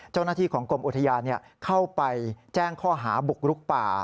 เจ้าหน้าที่ของกรมอุทยานเข้าไปแจ้งข้อหาบุกรุกป่า